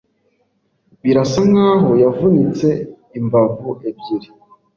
Birasa nkaho yavunitse imbavu ebyiri.